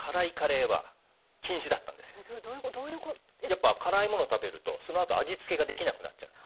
やっぱ辛い物食べるとそのあと味付けができなくなっちゃう。